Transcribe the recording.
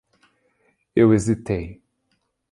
Eu hesitei